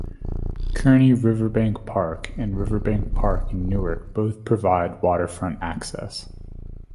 Kearny Riverbank Park and Riverbank Park in Newark both provide waterfront access.